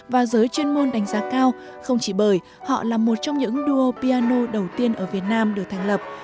và giới chuyên môn đánh giá cao không chỉ bởi họ là một trong những duo piano đầu tiên ở việt nam được thành lập